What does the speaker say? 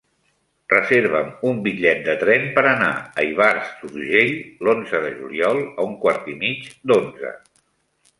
Reserva'm un bitllet de tren per anar a Ivars d'Urgell l'onze de juliol a un quart i mig d'onze.